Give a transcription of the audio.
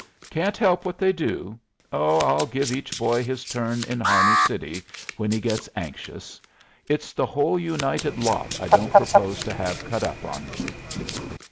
"Can't help what they do. Oh, I'll give each boy his turn in Harney City when he gets anxious. It's the whole united lot I don't propose to have cut up on me."